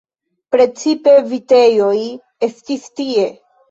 Precipe vitejoj estis tie.